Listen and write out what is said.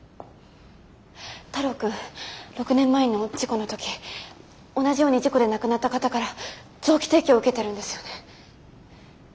太郎君６年前の事故の時同じように事故で亡くなった方から臓器提供受けてるんですよね。